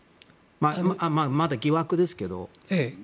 まだ疑惑ですけど。